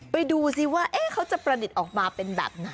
ไปดูซิว่าเขาจะประดิษฐ์ออกมาเป็นแบบไหน